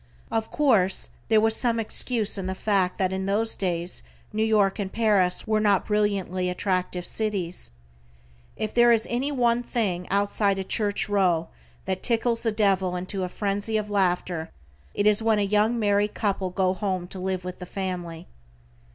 Of course there was some excuse in the fact that in those days New York and Paris were not brilliantly attractive cities. If there is any one thing outside a church row, that tickles the devil into a frenzy of laughter it is when a young married couple go home to live with the family.